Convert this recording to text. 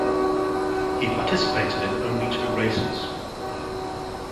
He participated in only two races.